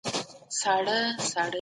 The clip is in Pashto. آيا د هغه مطالعاتو لومړۍ موخه تاييد کړه؟